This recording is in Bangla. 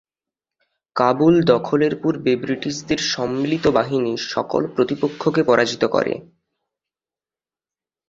কাবুল দখলের পূর্বে ব্রিটিশদের সম্মিলিত বাহিনী সকল প্রতিপক্ষকে পরাজিত করে।